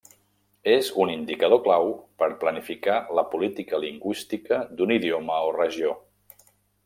És un indicador clau per planificar la política lingüística d'un idioma o regió.